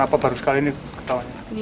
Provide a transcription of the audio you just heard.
apa baru sekali ini ketawanya